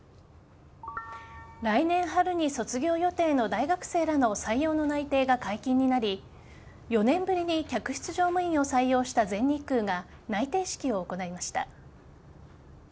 来年春に卒業予定の大学生らの採用の内定が解禁になり４年ぶりに客室乗務員を採用した全日空が内定式を行いました。